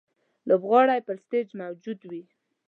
لوبغاړی پر سټېج موجود وي.